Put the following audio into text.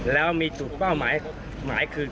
แล้วมีจุดเป้าหมายคือ